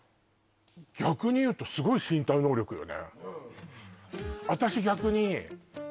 逆に言うとすごい身体能力よね